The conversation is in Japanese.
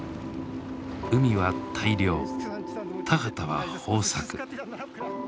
海は大漁田畑は豊作。